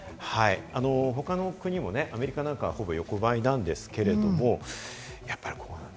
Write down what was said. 他の国もアメリカなんか、ほぼ横ばいなんですけれども。